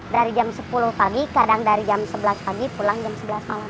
dari jam sepuluh pagi kadang dari jam sebelas pagi pulang jam sebelas malam